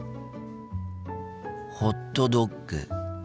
ホットドッグ。